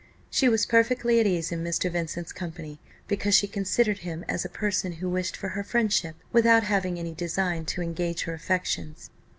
She was perfectly at ease in Mr. Vincent's company, because she considered him as a person who wished for her friendship, without having any design to engage her affections.